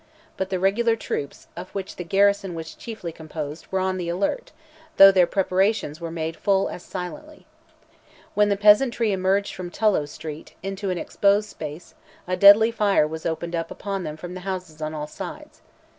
But the regular troops, of which the garrison was chiefly composed, were on the alert, though their preparations were made full as silently. When the peasantry emerged from Tullow Street, into an exposed space, a deadly fire was opened upon them from the houses on all sides.